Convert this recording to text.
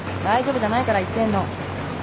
大丈夫じゃないから言ってんの。